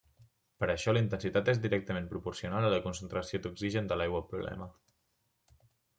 Per això la intensitat és directament proporcional a la concentració d'oxigen de l'aigua problema.